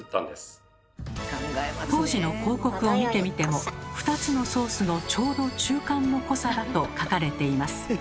当時の広告を見てみても２つのソースの「ちょうど中間の濃さ」だと書かれています。